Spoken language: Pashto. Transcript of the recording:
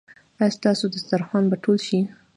ایا ستاسو دسترخوان به ټول شي؟